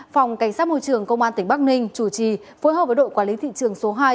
phòng cảnh sát môi trường công an tỉnh bắc ninh chủ trì phối hợp với đội quản lý thị trường số hai